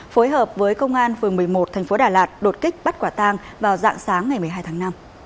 phối hợp với công an phường một mươi một thành phố đà lạt đột kích bắt quả tang vào dạng sáng ngày một mươi hai tháng năm